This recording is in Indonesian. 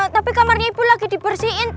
tapi kamarnya ibu lagi dibersihin